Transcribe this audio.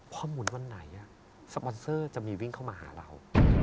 พอหมุนวันไหนสปอนเซอร์จะมีวิ่งเข้ามาหาเรา